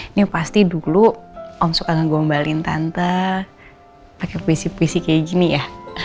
ini pasti dulu om suka ngegombalin tante pakai puisi puisi kayak gini ya